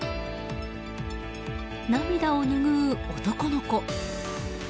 涙をぬぐう男の子。